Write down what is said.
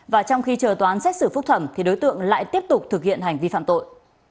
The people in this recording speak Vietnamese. và trong khi chờ tòa án xét xử phúc thẩm thì đối tượng lại tiếp tục thực hiện hành vi phạm tội